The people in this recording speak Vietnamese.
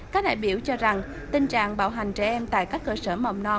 các đại biểu cho rằng tình trạng bạo hành trẻ em tại các cơ sở mầm non